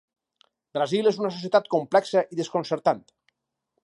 Brasil és una societat complexa i desconcertant.